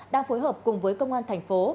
đang phối hợp cùng với công an thành phố